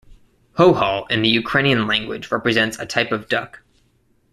Hohol in the Ukrainian language represents a type of duck.